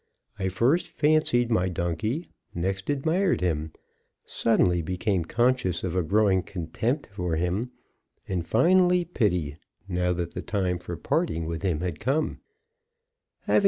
I first fancied my donkey, next admired him, suddenly became conscious of a growing contempt for him, and finally pity, now that the time for parting with him had come.